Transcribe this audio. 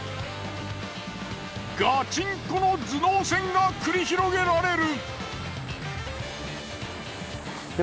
ガチンコの頭脳戦が繰り広げられる！